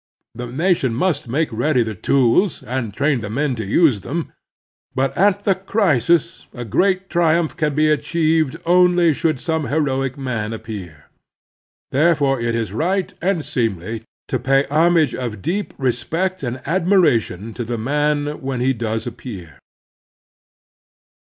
The nation must make ready the tools and train the men to use them, but at the crisis a great triumph can be achieved only should some heroic man appear. Therefore it is right and seemly to pay homage of deep respect and admiration to the man when he does appear.